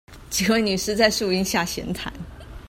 幾位女士在樹陰下閒談